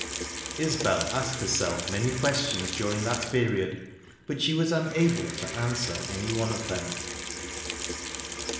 ...Isbel asked herself many questions during that period, but she was unable to answer any one of them.